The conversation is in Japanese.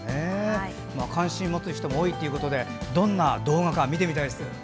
関心を持つ人も多いということでどんな動画か見てみたいです。